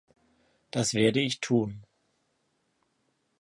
Das werde ich tun.